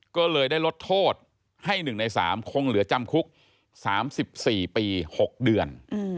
ก็เลยได้ลดโทษให้๑ใน๓คงเหลือจำคุก๓๔ปี๖เดือน